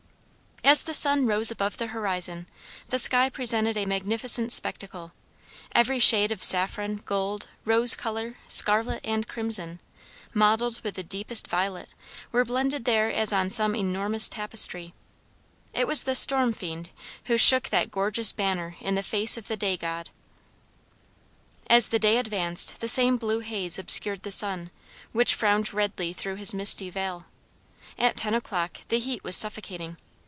As the sun rose above the horizon, the sky presented a magnificent spectacle. Every shade of saffron, gold, rose color, scarlet, and crimson, mottled with the deepest violet, were blended there as on some enormous tapestry. It was the storm fiend who shook that gorgeous banner in the face of the day god! As the day advanced the same blue haze obscured the sun, which frowned redly through his misty veil. At ten o'clock the heat was suffocating.